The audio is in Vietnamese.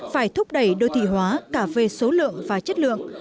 phải thúc đẩy đô thị hóa cả về số lượng và chất lượng